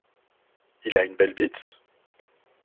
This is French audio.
Il a une belle bite ?